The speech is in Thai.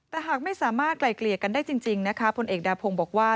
แต่หากไม่สามารถไกลเกลี่ยกันได้จริงนะคะพลเอกดาพงศ์บอกว่า